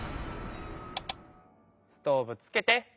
ストーブつけて。